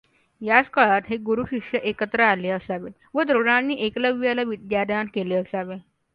याच काळात हे गुरू शिष्य एकत्र आले असावेत व द्रोणांनी एकलव्याला विद्यादान केले असावे.